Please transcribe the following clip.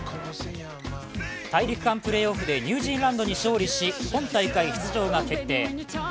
大陸間プレーオフでニュージーランドに勝利し、本大会出場が決定。